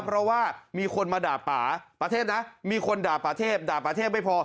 เพราะว่ามีคนมาด่าป่าประเทศนะมีคนด่าป่าเทพด่าประเทศไม่พอ